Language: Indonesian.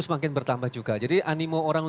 semakin bertambah juga jadi animo orang